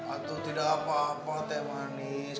atau tidak apa apa teh manis